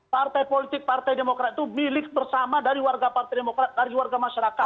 partai politik partai demokrat itu milik bersama dari warga partai demokrat dari warga masyarakat